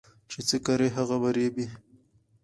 چې څه کرې هغه به ريبې